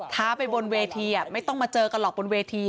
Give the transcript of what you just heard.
้าไปบนเวทีไม่ต้องมาเจอกันหรอกบนเวที